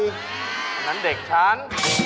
อันนั้นเด็กฉัน